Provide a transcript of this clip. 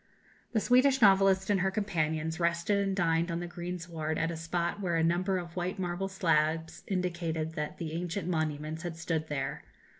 The Swedish novelist and her companions rested and dined on the greensward at a spot where a number of white marble slabs indicated that the ancient monuments had stood there.